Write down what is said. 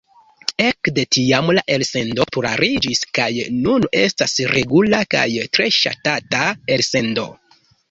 Ekde tiam la elsendo populariĝis kaj nun estas regula kaj tre ŝatata elsendo.